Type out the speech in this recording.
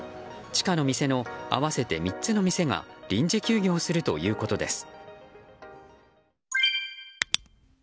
地下の店の合わせて３つの店が臨時休業するということです。